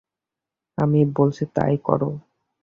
আমি যা বলছি তাই করো।